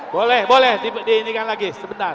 boleh boleh diinginkan lagi sebentar